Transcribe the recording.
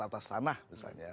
atas tanah misalnya